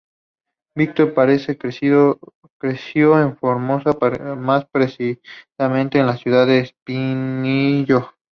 Victor Paredes creció en Formosa, más precisamente en la ciudad de Espinillo.